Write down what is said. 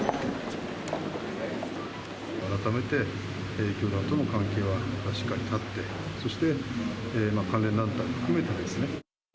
改めて、教団との関係はしっかり断って、そして関連団体も含めてですね。